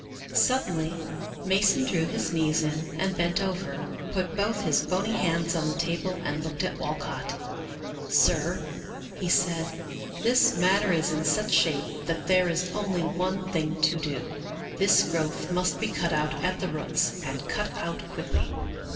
Suddenly Mason drew his knees in and bent over, put both his bony hands on the table, and looked at Walcott. " Sir," he said, " this matter is in such shape that there is only one thing to do. This growth must be cut out at the roots, and cut out quickly.